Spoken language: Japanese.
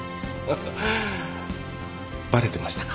バレてましたか。